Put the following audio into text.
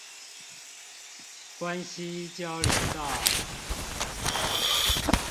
關西交流道